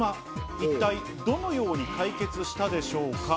一体どのように解決したでしょうか？